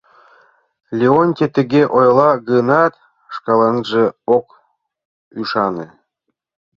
— Леонтий тыге ойла гынат, шкаланже ок ӱшане.